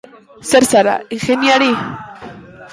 Zer zara, ingeniari?